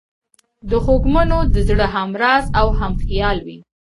د خوږمنو د زړه همراز او همخیال وي.